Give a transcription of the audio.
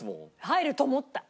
入ると思った。